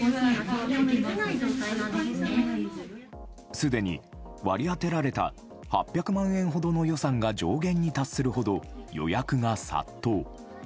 すでに、割り当てられた８００万円ほどの予算が上限に達するほど予約が殺到。